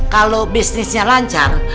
kalau bisnisnya lancar